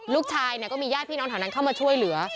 ลูกชายมีพี่น้องแถวนั่นมาช่วยเหลือ